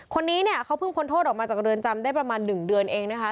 คนนี้เนี่ยเขาเพิ่งพ้นโทษออกมาจากเรือนจำได้ประมาณ๑เดือนเองนะคะ